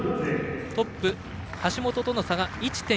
トップ、橋本との差が１．４３２。